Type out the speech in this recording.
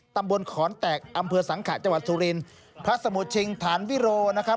ตำบลขอนแตกอำเภอสังขะจังหวัดสุรินทร์พระสมุทรชิงฐานวิโรนะครับ